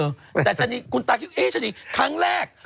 แต่ชะนีคุณตาคิดว่าเอ๊ชนีครั้งแรก